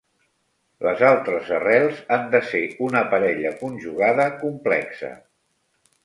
Les altres arrels han de ser una parella conjugada complexa.